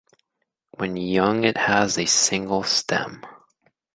When young it has a single stem.